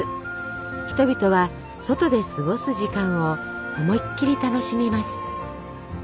人々は外で過ごす時間を思いっきり楽しみます。